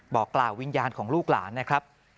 บอกกล่าววิญญาณของลูกหลานนะครับ